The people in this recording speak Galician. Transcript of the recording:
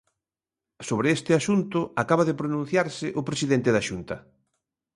Sobre este asunto acaba de pronunciarse o presidente da Xunta.